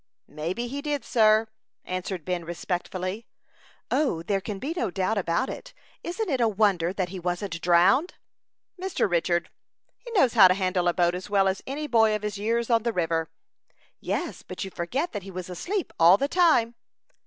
"May be he did, sir," answered Ben, respectfully. "O, there can be no doubt about it. Isn't it a wonder that he wasn't drowned?" "Mr. Richard, knows how to handle a boat as well as any boy of his years on the river." "Yes, but you forget that he was asleep all the time."